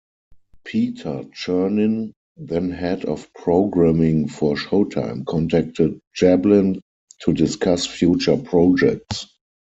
Peter Chernin, then head of programming for Showtime, contacted Jablin to discuss future projects.